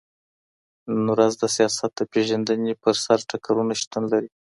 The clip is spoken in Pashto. نن ورځ د سياست د پېژندني پر سر ټکرونه شتون لري.